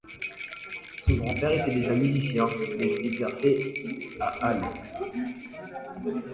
Son grand-père était déjà musicien, mais il exerçait à Halle.